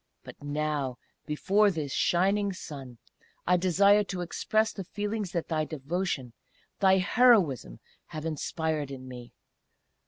But now, before this shining Sun, I desire to express the feelings that thy devotion, thy heroism, have inspired in me.